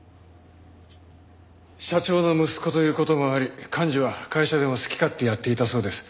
社長の息子という事もあり寛二は会社でも好き勝手やっていたそうです。